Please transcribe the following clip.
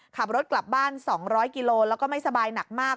ขับรถกลับบ้าน๒๐๐กิโลแล้วก็ไม่สบายหนักมาก